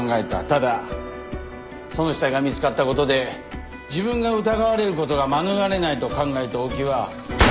ただその死体が見つかった事で自分が疑われる事が免れないと考えた大木は。